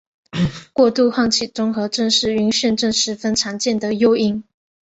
过度换气综合症是晕眩症十分常见的诱因。